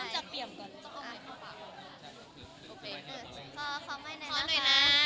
เริ่มจากเตียมกัน